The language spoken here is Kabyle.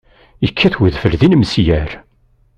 Ikkat wedfel d ilmesyar!